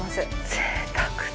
ぜいたくだ。